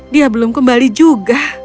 dia belum kembali juga